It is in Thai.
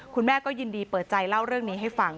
คุณแม่ก็ยินดีเปิดใจเล่าเรื่องนี้ให้ฟัง